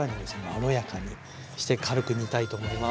まろやかにして軽く煮たいと思います。